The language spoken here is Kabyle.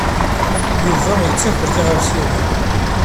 Yuba yettaker tiɣawsiwin.